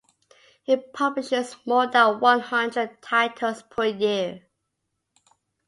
It publishes more than one hundred titles per year.